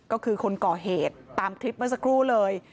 ก็คือคนก่อเหตุตามคลิปเมื่อสักครู่เลย